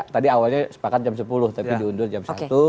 tadi awalnya sepakat jam sepuluh tapi diundur jam satu